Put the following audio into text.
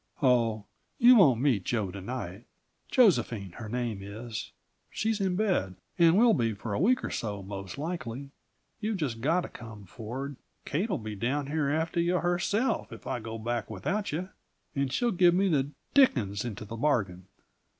"Oh, you won't meet Jo to night; Josephine, her name is. She's in bed, and will be for a week or so, most likely. You've just got to come, Ford. Kate'll be down here after you herself, if I go back without you and she'll give me the dickens into the bargain.